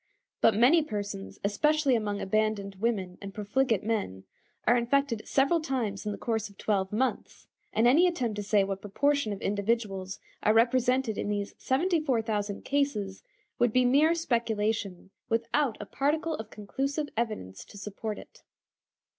But many persons, especially among abandoned women and profligate men, are infected several times in the course of twelve months, and any attempt to say what proportion of individuals are represented in these 74,000 cases would be mere speculation without a particle of conclusive evidence to support it.